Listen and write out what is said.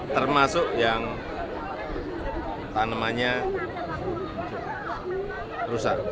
termasuk yang tanamannya rusak